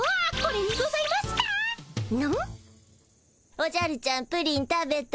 おじゃるちゃんプリン食べた？